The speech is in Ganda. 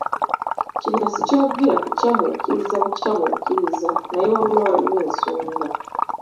Kino sikyogera kukyamuukiriza bukyamuukiriza naye wabula waliwo ensonga.